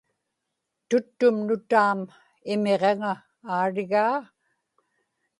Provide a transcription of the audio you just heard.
tuttum nutaam imiġaŋa aarigaa